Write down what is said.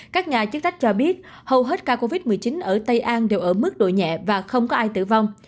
các nhà chức trách cho biết hầu hết ca covid một mươi chín ở tây an đều ở mức độ nhẹ và không có ai tử vong